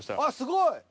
あっすごい！